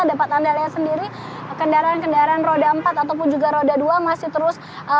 dapat anda lihat sendiri kendaraan kendaraan roda empat ataupun juga roda dua masih terus